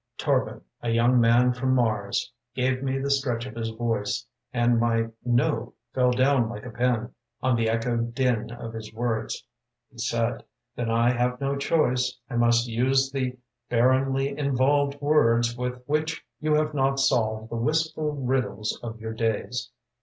" Torban, a young man from Mars, Gave me the stretch of his voice, And my " no " fell down like a pin On the echoed din of his words. He said: " Then I have no choice. I must use the barrenly involved Words with which you have not solved The wistful riddles of your days.